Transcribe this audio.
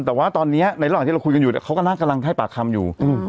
แต่ว่าตอนนี้ในระหว่างที่เราคุยกันอยู่เขากำลังให้ปากคำอยู่